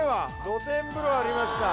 露天風呂ありました。